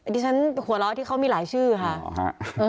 ดิฉันหัวเราะที่เขามีหลายชื่อค่ะ